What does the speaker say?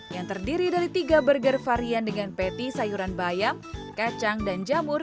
yang terdiri dari tiga burger varian dengan patty sayuran bayam kacang dan jamur